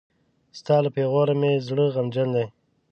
ستا له پېغوره مې زړه غمجن دی.